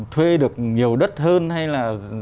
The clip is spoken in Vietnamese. thuê được nhiều đất hơn hay là